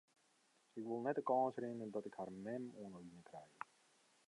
Ik wol net de kâns rinne dat ik har mem oan 'e line krij.